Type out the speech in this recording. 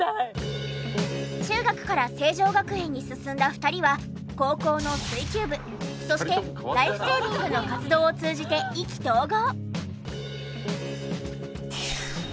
中学から成城学園に進んだ２人は高校の水球部そしてライフセービングの活動を通じて意気投合。